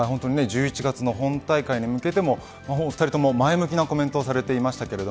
１１月の本大会に向けても前向きなコメントをしていました。